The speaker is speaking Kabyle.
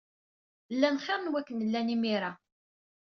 Llan xir n wakken llan imir-a.